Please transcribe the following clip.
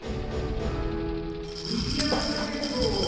フィギュアスケート！